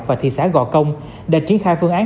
và thị xã gò công đã triển khai phương án